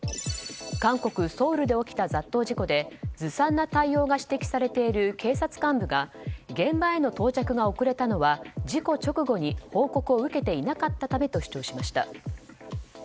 韓国ソウルで起きた雑踏事故でずさんな対応が指摘されている警察幹部が現場への到着が遅れたのは事故直後に報告を受けていなかったためと主張しました。